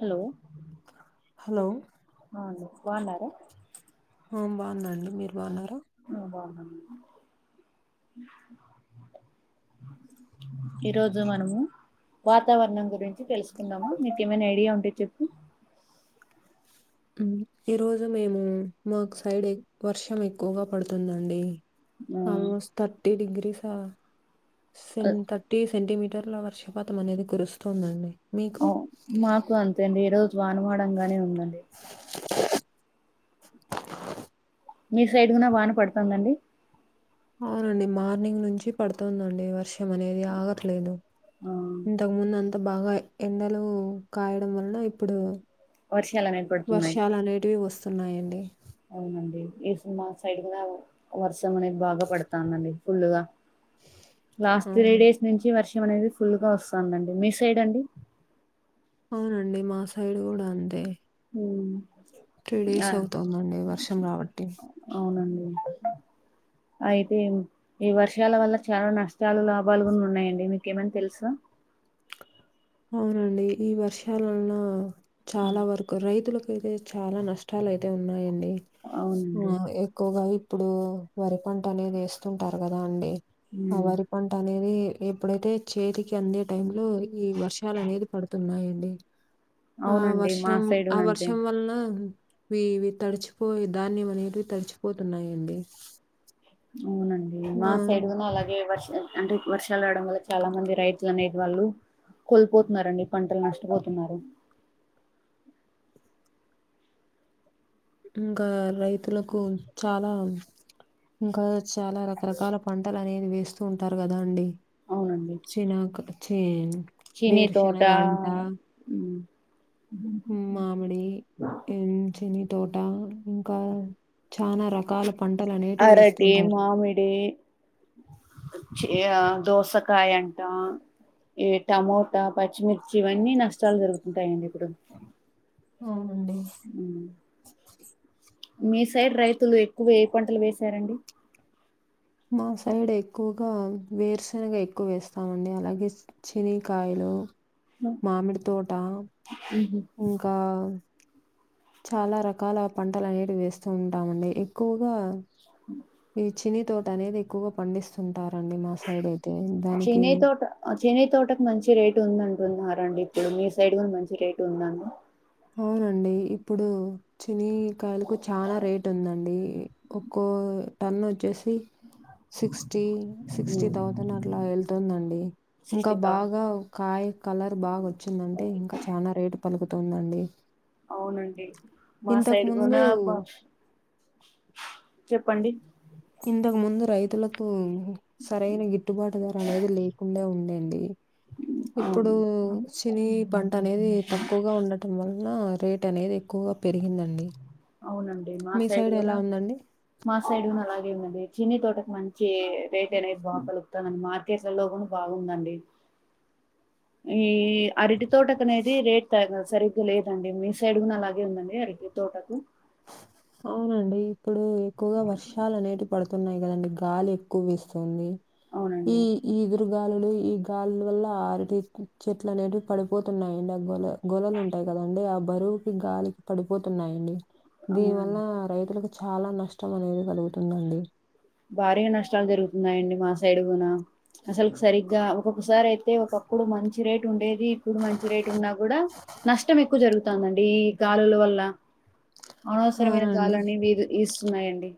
Hello అవు hello బాగున్నారా ఆ బాగుందండి మీరు బాగున్నారు అ బాగునం అండి ఈ రోజు మనము వాతావరణం గురించి తెలుసుకుందాము మీకేమైనా ఐడియా ఉంటే చెప్పు ఈ రోజు మేము మాకు సైడ్ వర్షం ఎక్కువగా పడుతుందండి ఆ ఆల్మోస్ట్ థర్టీ డిగ్రీస్ అ సేన్ థర్టీ సెంటిమీ టర్ల వర్షపాతం అనేది కురుస్తుందండి మీకు అ మాకు అంతే అండి ఈ రోజు వానువాడంగానే ఉందండి మీ సైడ్ గున్నా వాన పడుతుందాండి అవునండి మార్నింగ్ నుంచి పడుతుందండి వర్ష అనేది ఆగట్లేదు ఆ ఇంతకు ముందు అంత బాగా ఎండలు కాయడం వలన ఇప్పుడు వర్షాలు అనేది పడుతున్నాయి వర్షాలు అనేటివి వస్తున్నాయండి అవునండి ఈ సిని మా సైడ్ గూడ వర్షం అనేది బాగా పడతాదండి ఫుల్ గా లాస్ట్ త్రీ అవును డేస్ నుంచి వర్ష అనేది ఫుల్ గా వస్తుందండి మీ సైడ్ అండి అవునండి మా సైడ్ కూడా అంతే ఉమ్. త్రీ ఆ డేస్ అవుతాందండి వర్షం రాబట్టి అవునండి అయితే ఈ వర్షాల వల్ల చాలా నష్టాలు లాభాలు ఉన్నాయండి మీకేమన్నా తెలుసా? అవునండి ఈ వర్షాలలో చాలా వరకు రైతులక్ అయితే చాలా నష్టాలు అయితే ఉన్నాయండి ఆ అవునండి ఎక్కువగా ఇప్పుడు వరి పంట అనేది ఏస్తుంటారు కదా అండి ఆ ఉమ్ వరి పంట అనేది ఇప్పుడైతే చేతికి అందే టైం లో వర్షాలు అనేది పడుతున్నాయండి ఆ అవునండి మా వర్షం సైడ్ ఆ గూనా అంతే వర్షం వల్ల ఇవి ఇవి తడిచిపోయే ధాన్యం అనేవి తడిచిపోతున్నాయండి అవునండి మా ఆ! సైడ్ కూడా అలాగే వర్ష అంటే వర్షాలు రావడం వల్ల చాలా మంది రైతులు అనేది వాళ్ళు కోల్పోతున్నారండి పంటలు నష్టపోతున్నారు ఇంకా రైతులకు చాలా ఇంకా చాలా రకరకాల పంటలు అనేది వేస్తూ ఉంటారు కదా అండి అవునండి చినాక చెన్ చీనీ తోట వేరుశెనగ అంటా ఉమ్ మామిడి ఉమ్ చిని తోట ఇంకా చానా రకాల పంటలు అనేటివి అరటి, వేస్తుంటారు మామిడి చె దోసకాయ అంటా ఈ టమోటా పచ్చిమిర్చి ఇవన్నీ నష్టాలు జరుగుతుంటాయండి ఇప్పుడు ఆ ఉమ్ మీ సైడ్ రైతులు ఎక్కువ ఏ పంటలు వేసారండి మాసైడ్ ఎక్కువగా వేరుశెనగ ఎక్కువ వేస్తామండి అలాగే చినీకాయలు మామిడి తోట ఉహు ఇంకా చాలా రకాల పంటలు అనేవి వేస్తూ ఉంటామండి ఎక్కువగా ఈ చినీ తోట అనేది ఎక్కువగా పండిస్తుంటారు చినై తోట చినై తోటకు మంచి రేటు ఉందంటున్నారు రండి ఇప్పుడు మీ సైడ్ కూడా మంచి రెట్ ఉందను అవునండి ఇప్పుడు చినీకాయలకు చానా రేట్ ఉందండి ఒక్కో టన్ వచ్చేసి సిక్స్టీ సిక్స్టీ థౌసండ్ అట్లా వెళ్తుందండి ఇంకా సిక్స్టీ థౌసండ్ బాగా కాయ కలర్ బాగా వచ్చిందంటే ఇంకా చానా రేటు పలుకుతుందండి అవునండి మా సైడ్ కూన ఇంతకుముందు బా చెప్పండి ఇంతకు ముందు రైతులకు సరైన గిట్టుబాటు ధర అనేది లేకుండా ఉండేండి ఇప్పుడు అవును చిని పంట అనేది తక్కువగా ఉండటం వలన రేట్ అనేది ఎక్కువగా పెరిగిందండి అవునండి మా మీ సైడ్ కూన ఎలా ఉందండి? మా సైడ్ ను అలాగే ఏమది చినీ తోటకి మంచి రేట్ అనేది బాగా పలుకుతనం మార్కెట్లలో కూడా బాగుందండి ఈ అరటి తోటకు అనేది రేట్ తగ సరిగ్గా లేదండి మీ సైడ్ కూడా అలాగే ఉందండి అరటి తోటకు అవునండి ఇప్పుడు ఎక్కువగా వర్షాలు అనేటివి పడుతున్నాయి కదండి గాలి ఎక్కువ విస్తుంది ఈ అవునండి ఇగురు గాలులు ఈ గాలుల వల్ల ఆరిటి చెట్లు అనేటివి పడిపోతున్నాయండి ఆ గోల గోలలు ఉంటాయి కదండి ఆ బరువుకి గాలికి పడిపోతున్నాయండి దీని వల్ల అవునండి రైతులకు చాలా నష్టం అనేది కలుగుతుందండి భారీగా నష్టాలు జరుగుతున్నాయండి మా సైడ్ కూన అసలు సరిగ్గా ఒక్కొక్కసారి అయితే అయితే ఒకప్పుడు మంచి రేట్ ఉండేది ఇప్పుడు మంచి రేట్ ఉన్నా కూడా నష్టం ఎక్కువ జరుగు తనండి ఈ గాలుల వల్ల అనవసరమైన అవునండి గాలి అని వి స్తున్నాయండి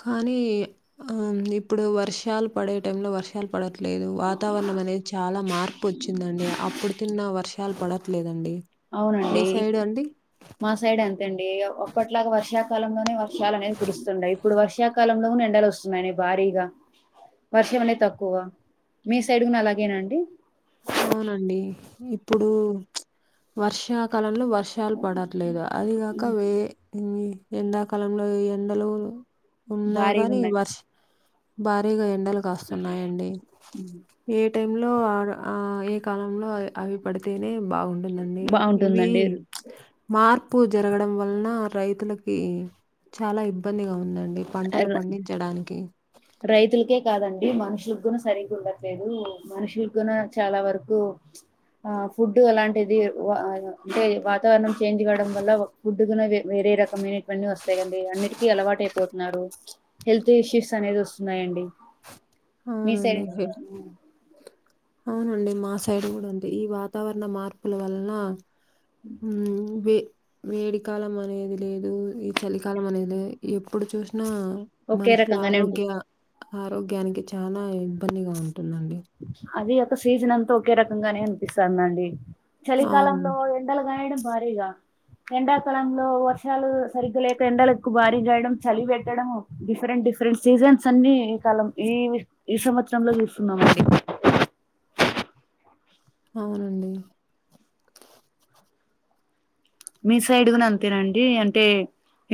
కానీ ఇప్పుడు వర్షాలు పడే టైంలో వర్షాలు పడట్లే లేదు వాతావరణం అనేది చాలా మార్పు వచ్చిందండి అప్పుడు తిన్న వర్షాలు పడట్లేదండి మీ అవునండి సైడ్ అండి మా సైడ్ ఎంతండి అప్పట్లాగా వర్షా కాలంలోనే వర్షాలు అనేది కురుస్తుండయి ఇప్పుడు వర్షాకాలంలో గున ఎండలు వస్తున్నాయని భారీగా వర్షం అనేది తక్కువ మీ సైడ్ కూన అలాగేనాండి అవునండి ఇప్పుడు వర్షాకాలంలో వర్ వర్షాలు పడట్లేగా అదిగాక వే ఎండాకాలంలో ఎండలు ఉన్నా భారీగా గాని ఉన్నాయి వర్ష్ భారీగా ఎండలు కాస్తున్నాయండి ఏ టైమ్ లో అడ ఆ ఏ కాలంలో అవి అవి పడితేనే బాగుంటుందండి ఇవి బాగుంటుందండి మార్ పు జరగడం వలన రైతులకి చాలా ఇబ్బందిగా ఉందండి పంటలు పండించడానికి రైతులకే కాదండి మనుషులకు గునా సరింగా ఉండట్లేదు మనుషుల కూన చాలా వరకు ఆ ఫుడ్డు అలాంటిది అంటే వాతావరణం చేంజ్ కావడం వల్ల ఫుడ్ కూనా వేరే రకమైనవీ వస్తాకండి అన్నిటికీ అలవాటు అయిపోతు నారు హెల్త్ ఇష్యూస్ అనేది వస్తున్నాయండి మీ సై అవునండి. అవునండి మా సైడ్ కూడ ఉంది ఈ వాతావరణ మార్పుల వలన వే వేడికాలం అనేది లేదు ఈ చలికాలం అనేది లేదు ఎప్పుడు చూసినా ఒకే మనషుల రకంగానే ఉంటుంది ఆరోగ్య ఆరోగ్యానికి చాలా ఇబ్బందిగా ఉం అది ఒక సీజన్ అంతా ఒకే రకంగానే అనిపిస్తదండి అవును చలికాలంలో ఎండలు కయడం భారీగా ఎండాకాలంలో వర్షాలు సరిగ్గా లేక ఎండలెక్కు బారీగాయడం చలి పెట్టడం డిఫరెంట్ డిఫరె ఫ్రెండ్ సీజైన్స్ అన్ని ఈ కాలం ఈ ఈ సంవత్సరంలో చూస్తున్నామండి అవునండి మీ సైడ్గాని అంతేనండి అంటే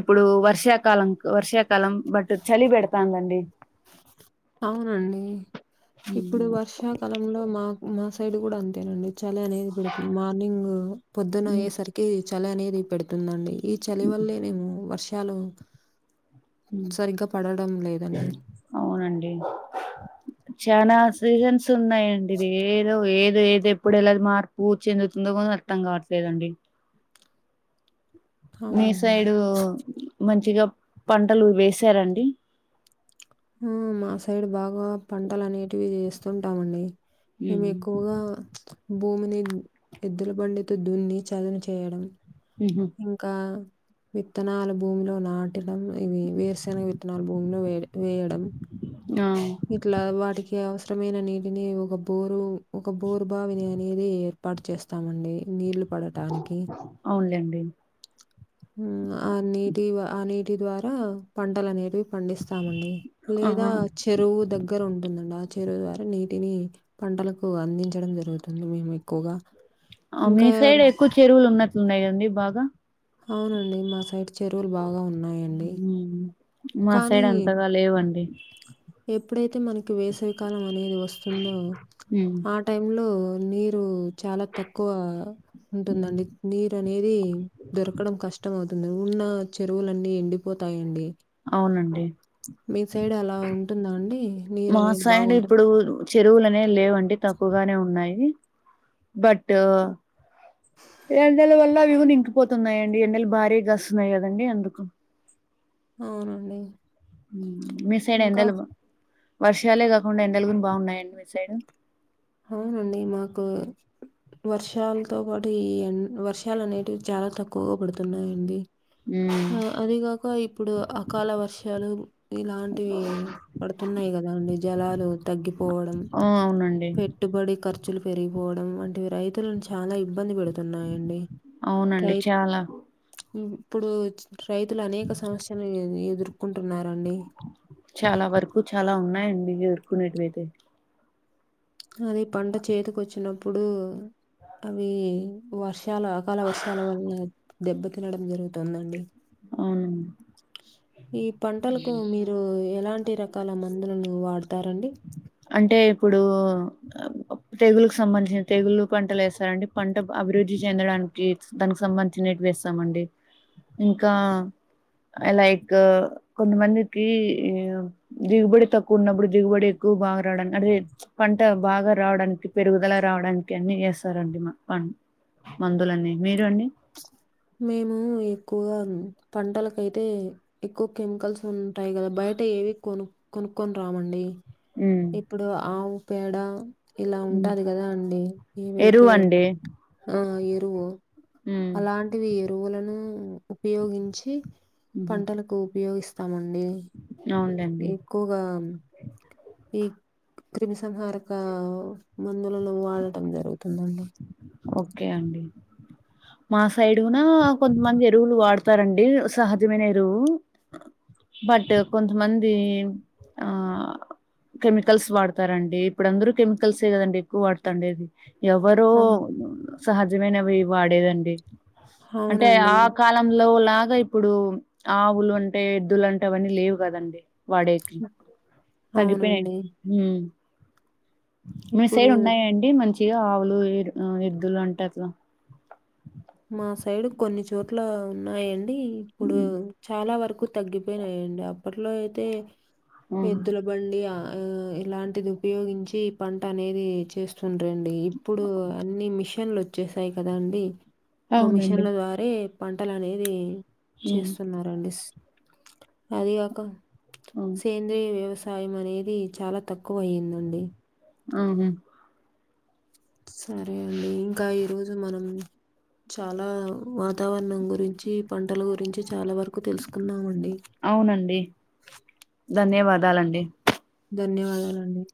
ఇప్పుడు వర్షాకాలం వర్షాకాలం బట్ చలి పెడుతందండి అవునండి ఉమ్, ఇప్పుడు వర్షాకాలంలో మా మా సైడ్ కూడా అంతేనండి చలి అనేది పెడుతుంది మార్నింగ్ పొద్దున అయ్యే ఉమ్, సరికి చలి అనేది పెడుతుందండి ఈ చలి ఉమ్, వల్లే నేమొ వర్షాలు ఉమ్, సరిగ్గా పడడం లేదండి చనా సీజన్స్ ఉన్నాయండి ఏదో ఏ ఎప్పుడేలాది మార్పు చెందుతుందో కూడా అర్థం కావట్లేదండి మీ అవునండి. సైడు మంచిగా పంటలు వేసారండి మ్ మా సైడ్ బాగా పంటలు అనేటివి చేస్తుంటామండి మేము ఎక్కువగా భూమిని ఎద్దుల పండితో దున్ని చదును చేయడం ఉహు ఇంకా విత్తనలు భూమిలో నాటడం ఇవి వేరుశనగ విత్తనలు భూమిలో వే వేయడం ఆ ఇట్లా వాటికి అవసరమైన నీటిని ఒక బోరు ఒక బోరు బావిని అనేది ఏర్పాటు చేస్తామండి నీళ్ళు పడటానికి అవునులేండి ఆ నీటి ఆ నీటి ద్వారా పంటలు అనేవి పండిస్తామండి ఆ లేదా కు దగ్గర ఉంటుందండి ఆ చీరు ద్వారా నీటిని పంటలకు అందించడం జరుగుతుంది మేము ఎక్కువగా అ మీ ఇంకా సైడే ఎక్కువ చెరువులు ఉన్నట్లున్నాయండి బాగా అవునండి మా సైడ్ చెరువులు బాగా ఉన్నాయండి హ్మ్. మా కానీ సైడ్ అంతగా లేవండి ఎప్పుడైతే మనకి వేసవి కాలం అనేది వస్తుందో హ్మ్. ఆ టైం లో నీరు చాలా తక్కువ హ్మ్. ఉంటుందండి నీరు అనేది దొరకడం కష్టం అవుత్ తుంది ఉన్న చెరువులన్నీ ఎండిపోతాయండి అవునండి మీ సైడ్ అలా ఉంటుందా అండి? మా నీరనేది సైడ్ బాగుంటుందా? ఇప్పుడు చెరువులనేవి లేవండి త్ తక్కువగానే ఉన్నాయి బట్ ఎండల వల్ల వి ఇంకిపోతున్నాయండి ఎండలు భారీగాస్తున్నాయి కదండి అందుకు అవునండి మ్ మీ సైడ్ ఇంకా ఎండలు వర్షాలే కాకుండా ఎండలుగును బాగున్నాయండి మీ సైడ్ అవునండి మాకు వర్షాలతో పాటు ఈ ఎన్ వర్షాలు అనేటివి చాలా తక్కువగా పడుతున్నాయండి ఉమ్ అ అదిగాక ఇప్పుడు అకాల వర్షాలు ఇలాంటివి పడుతున్నాయి కదా అండి జలాలు తగ్గిపోవడం ఆ అవునండి పెట్టుబడి ఖర్చులు పెరిగిపోవడం వంటివి రైతులను చాలా ఇబ్బంది పెడు తున్నాయండి అవునండి రై త్ చాలా మ్ ఇప్పుడు రైతులు అనేక సమస్యలను ఎదుర్కొంటున్నారు చాలా వరకు చాలా ఉన్నాయండి ఎదుర్కొ నేటివయితే అది పంట చేతికి వచ్చినప్పుడు అవి వర్షాలు అకాల వర్షాల వల్ల దెబ్బ తినడం జరుగుతుందండి అవునండి ఈ పంటలకు మీరు ఎలాంటి అన్ని రకాల మందులను వాడతారండి అంటే ఇప్పుడు తెగులకి సంబంధించిన తెగులు పంటలు వేస్తారండి పంట అభివృద్ధి చెందడానికి దానికి సంబంధించినెట్ వేస్తామండి ఇంకా లైక్ కొంతమందికి దిగుబడి తక్కువ ఉన్నప్పుడు దిగుబడి ఎక్కువ బాగా రావడానికి అదే పంట బాగా రావడానికి పెరుగుదల రావడానికి అన్ని చేస్తారండి మా ప మందులన్నీ మీరు అండి మేము ఎక్కువగా పంటలకయితే ఎక్కువ కెమికల్స్ ఉంటాయి కదా బయ బయట ఏవి కొను కొనుక్కొని రామండి ఉమ్, ఇప్పుడు ఆవు పేడ ఇలా ఉమ్. ఉంటది కదా అండి ఎరువు ఏమైతే అండి ఆ ఎరువు ఉమ్ అలాంటివి ఎరువులను ఉపయోగించి ఉమ్. పంటలకు ఉపయోగిస్తామం అండి అవునులేండి ఎకువగా ఈ క్రిమిసంహారక మందులను వాడటం జరుగుతుందండి ఓకే అండి మా సైడ్న కొంతమంది ఎరువులు వాడుత చెస్తారండి సహజమైన ఎరువు బట్ కొంతమంది ఆ కెమికల్స్ వాడతారండి ఇప్పుడు అందరు కెమికల్సే కదండి ఎక్కువ వాడతాఉండేది ఎవరో అవును. సహజమైనవి వాడేదండి అంటే అవునండి. ఆ కాలంలో ఇలాగా ఇప్పుడు ఆవులు అంటే ఎద్దులు అంటే అవన్నీ లేవు కదండి వాడేకి తగ్గిపోయి అవునండి. మీ ఇప్పుడు సైడ్ ఉన్నాయండి మంచి ఇ ఆవులు ఏ ఎద్దులు అంటే అట్లా మా సైడు కొన్ని చోట్ల ఉన్నాయండి ఇప్పుడు చాలా వరకు ఎక్కువ తగ్గిపోయినాయండి అప్పట్లో అయితే ఉమ్ ఎద్దుల బండి ఇలాంటిది ఉపయోగించి పంట అనేది చేస్తు డండి ఇప్పుడు అన్ని మిషన్లు వచ్చేసాయి కదా అండి ఆ అవునండి మిషన్ల ద్వారే పంటలు అనేది ఉమ్ చేస్తున్నారండి అదికాక అవును సేంద్రీయ వ్యవసాయం సాయం అనేది చాలా తక్కువ అయ్యిందండి ఉహూ సరే అండి ఇంకా ఈరోజు మనం చాలా వాతావరణం గురించి పంటల గురించి చాలా వరకు తెలుసుకున్నామండి అవునండి ధన్యవాదాలండి ధన్యవాదాలండి